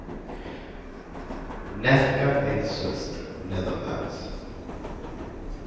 Nazca en Soest, Netherlands.